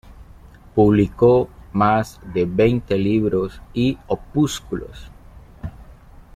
Publicó más de veinte libros y opúsculos.